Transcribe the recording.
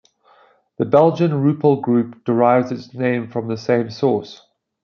The Belgian Rupel Group derives its name from the same source.